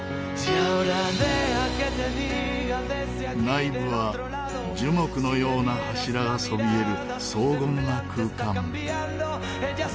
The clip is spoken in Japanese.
内部は樹木のような柱がそびえる荘厳な空間。